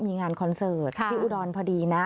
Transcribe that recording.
มีงานคอนเสิร์ตที่อุดรพอดีนะ